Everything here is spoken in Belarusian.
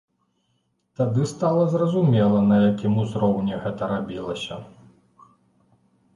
Тады стала зразумела, на якім узроўні гэта рабілася.